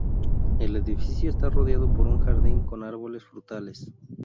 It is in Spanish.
El edificio está rodeado por un jardín con árboles frutales.